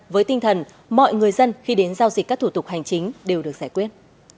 với tinh thần mọi người dân khi đến giao dịch các thủ tục hành chính đều được giải quyết